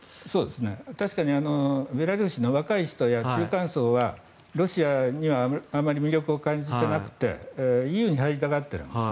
確かにベラルーシの若い人や中間層はロシアにはあまり魅力を感じてなくてＥＵに入りたがっているんです。